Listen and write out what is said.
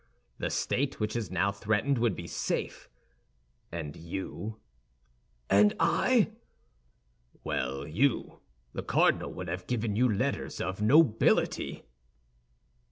The state, which is now threatened, would be safe, and you—" "And I?" "Well you—the cardinal would have given you letters of nobility."